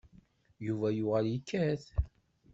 Yuba yuɣal yekkat.